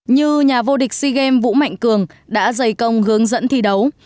như nhà vô địch sea games vũ mạnh cường đã dày công hướng dẫn thi đấu